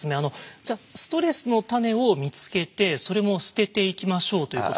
「ストレスのタネを見つけてそれも捨てていきましょう」ということですけど。